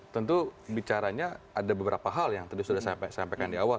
tentu bicaranya ada beberapa hal yang tadi sudah saya sampaikan di awal